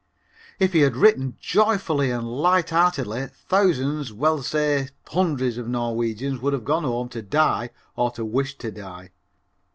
If he had written joyfully and lightheartedly, thousands, well say hundreds, of Norwegians would have gone home to die or to wish to die.